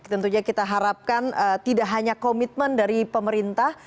tentunya kita harapkan tidak hanya komitmen dari pemerintah